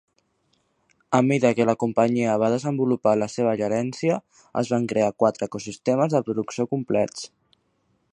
A mida que la companyia va desenvolupar la seva gerència, es van crear quatre ecosistemes de producció complets.